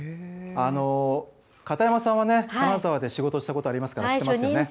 片山さんは金沢で仕事したことありますから知ってますよね。